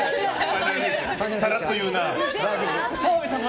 さらっと言うな。